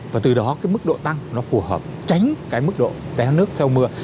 và từ đó cái mức độ tăng nó phù hợp tránh cái mức độ đé nước theo mưa